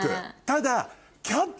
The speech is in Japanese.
ただ。